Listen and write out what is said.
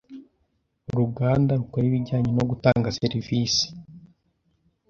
uruganda rukora ibijyanye no gutanga serivisi